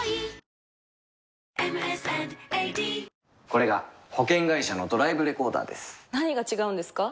これが保険会社のドライブレコーダーです何が違うんですか？